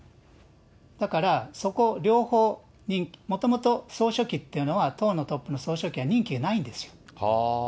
だからそこ、両方にもともと総書記っていうのは、当のトップの総書記は任期がないんですよ。